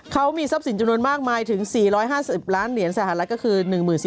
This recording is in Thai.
เขามีทรัพย์สินจำนวนมากมายถึง๔๕๐ล้านเหรียญสหรัฐก็คือ๑๔๐๐